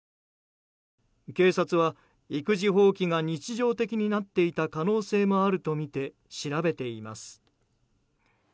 警察は育児放棄が日常的になっていた可能性もあるとみて調べています。